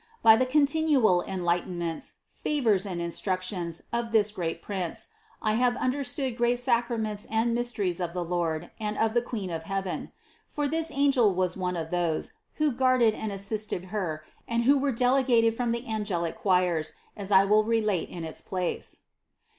By the continual enlightenments, favors and instructions of this great prince, I have understood great sacraments and mysteries of the Lord and of the Queen of heaven ; for this angel was one of those, who guarded and assisted Her and who were delegated from the angelic choirs, as I will re late in its place (Part I, 201 206).